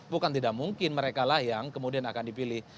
bukan tidak mungkin mereka lah yang kemudian akan dipilih